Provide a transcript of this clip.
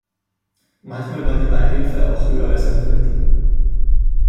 Manchmal war die Beihilfe auch höher als ein Drittel.